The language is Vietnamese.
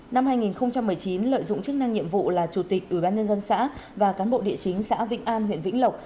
năm hai nghìn một mươi chín lợi dụng chức năng nhiệm vụ là chủ tịch ubnd xã và cán bộ địa chính xã vĩnh an huyện vĩnh lộc